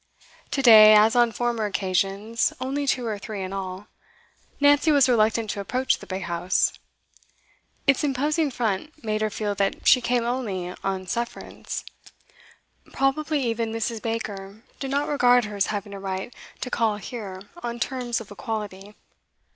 To day, as on former occasions (only two or three in all), Nancy was reluctant to approach the big house; its imposing front made her feel that she came only on sufferance; probably even Mrs. Baker did not regard her as having a right to call here on terms of equality.